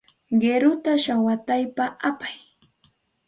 Qiruta shawataypa apay.